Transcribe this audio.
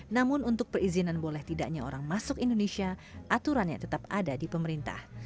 namun untuk perizinan boleh tidaknya orang masuk indonesia aturannya tetap ada di pemerintah